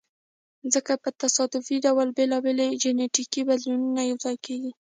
ځکه په تصادفي ډول بېلابېل جینټیکي بدلونونه یو ځای کیږي.